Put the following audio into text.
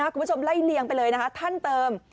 ของลัยเลี้ยงไปเลยครับ